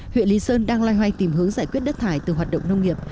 huyện lý sơn đang loay hoay tìm hướng giải quyết đất thải từ hoạt động nông nghiệp